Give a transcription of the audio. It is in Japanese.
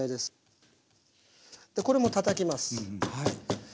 これもたたきます。